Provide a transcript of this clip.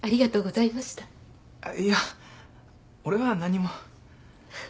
あっいや俺は何も。